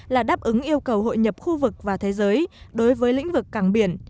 là đáp ứng yêu cầu hội nhập khu vực và thế giới đối với lĩnh vực cảng biển